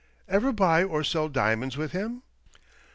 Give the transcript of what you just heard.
" Ever buy or sell diamonds with him?